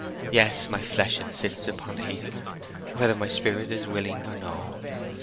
Yes, my flesh insists upon hating her, whether my spirit is willing or no!...